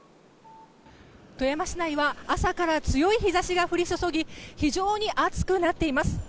富山市内は朝から強い日差しが降り注ぎ非常に暑くなっています。